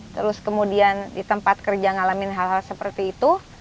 terus kemudian di tempat kerja ngalamin hal hal seperti itu